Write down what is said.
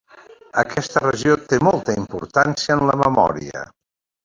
Aquesta regió té molta importància en la memòria.